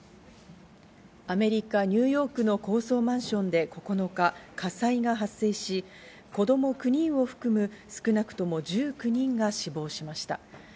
アメリカ・ニューヨークの高層マンションで９日、火災が発生し、子供９人を含む少なくとも１９人が死亡しました。